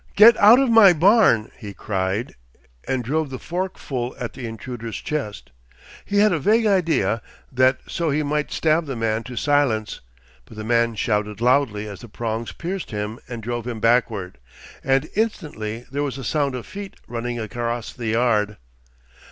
'Get out of my barn!' he cried, and drove the fork full at the intruder's chest. He had a vague idea that so he might stab the man to silence. But the man shouted loudly as the prongs pierced him and drove him backward, and instantly there was a sound of feet running across the yard.